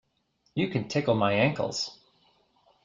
You can tickle my ankles.